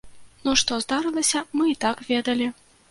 Ну што здарылася, мы і так ведалі.